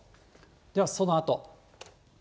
ではそのあと。